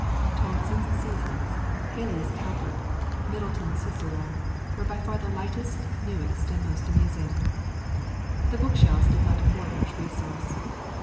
Thomson's Season's, Hayley's Cowper, Middleton's Cicero, were by far the lightest, newest, and most amusing. The book shelves did not afford much resource.